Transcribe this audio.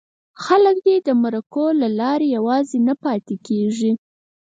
خلک دې د مرکو له لارې یوازې نه پاتې کېږي.